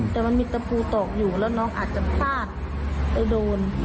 แต่มันมีตะปูตอกอยู่แล้วน้องอาจจะพลาดไปโดน